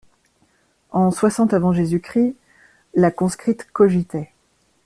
En soixante avant Jésus-Christ, la conscrite cogitait.